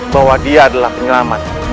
bahwa dia adalah penyelamat